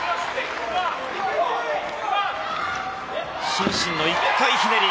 伸身の１回ひねり。